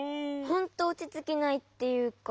ほんとおちつきないっていうか。